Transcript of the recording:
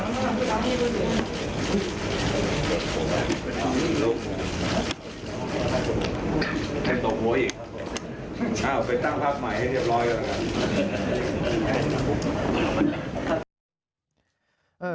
อ้าวไปตั้งภาพใหม่ให้เรียบร้อยก่อนกัน